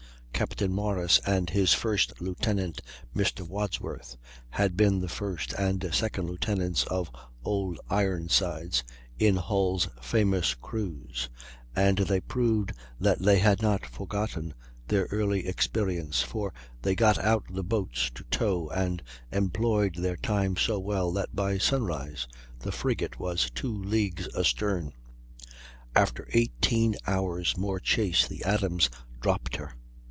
Capt. Morris and his first lieutenant, Mr. Wadsworth, had been the first and second lieutenants of Old Ironsides in Hull's famous cruise, and they proved that they had not forgotten their early experience, for they got out the boats to tow, and employed their time so well that by sunrise the frigate was two leagues astern. After 18 hours' more chase the Adams dropped her.